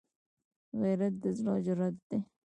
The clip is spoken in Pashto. غیرت د زړه جرأت دی